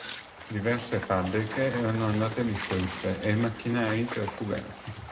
Diverse fabbriche erano andate distrutte e i macchinari trafugati.